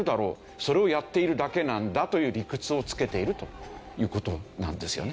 それをやっているだけなんだという理屈をつけているという事なんですよね。